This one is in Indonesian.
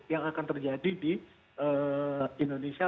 yang akan terjadi di indonesia